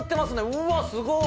うわすごっ！